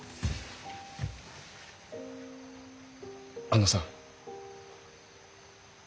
あのさ。